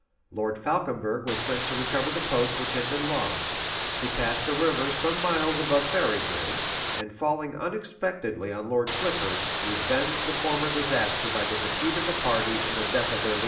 [] Lord Falconberg was sent to recover the post which had been lost: he passed the river some miles above Ferrybridge, and falling unexpectedly on Lord Clifford, revenged the former disaster by the defeat of the party and the death of their leader.